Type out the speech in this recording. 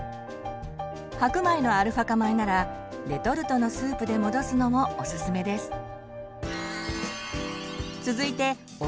白米のアルファ化米ならレトルトのスープで戻すのもおすすめです。